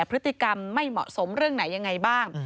พฤติกรรมไม่เหมาะสมเรื่องไหนยังไงบ้าง